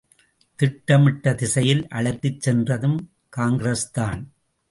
திட்டமிட்ட திசையில் அழைத்துச் சென்றதும் காங்கிரஸ்தான்.